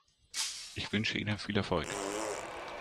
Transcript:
Ich wünsche ihnen viel Erfolg.